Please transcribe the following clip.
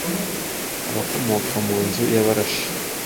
abakomoka mu nzu y’abarashi